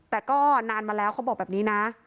แต่ก็นานมาแล้วเขาบอกแบบนี้นะ